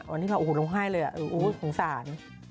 วันนี้เราโอ้โฮลงไห้เลยโอ้โฮสงสาร